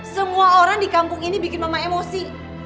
semua orang di kampung ini bikin mama emosi